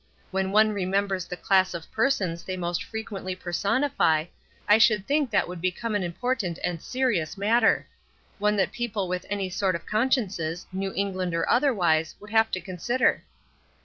When one remembers the class of persons they most frequently per sonify, I should think that would become an important and serious matter; one that people with any sort of consciences, New England or otherwise, would have to consider."